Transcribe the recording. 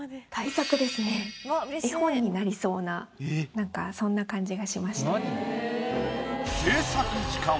何かそんな感じがしました。